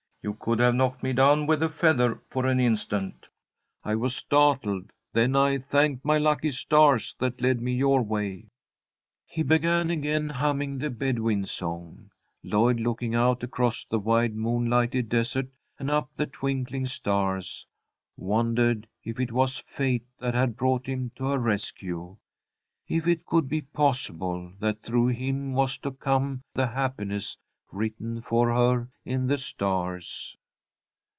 You could have knocked me down with a feather, for an instant. I was startled. Then I thanked my lucky stars that led me your way." He began again humming the Bedouin song. Lloyd, looking out across the wide, moonlighted desert and up at the twinkling stars, wondered if it was fate that had brought him to her rescue; if it could be possible that through him was to come the happiness written for her in the stars.